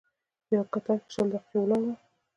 په یوه کتار کې شل دقیقې ولاړ وم.